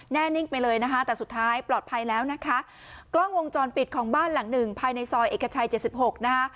แน่นิ่งไปเลยนะคะแต่สุดท้ายปลอดภัยแล้วนะคะกล้องวงจรปิดของบ้านหลังหนึ่งภายในซอยเอกชัยเจ็ดสิบหกนะคะ